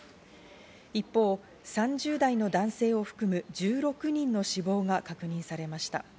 一方、３０代の男性を含む１６人の死亡が確認されました。